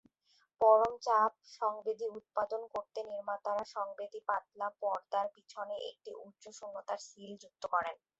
পরম চাপ সংবেদী উৎপাদন করতে নির্মাতারা সংবেদী পাতলা পর্দার পিছনে একটি উচ্চ শূন্যতার সীল যুক্ত করেন।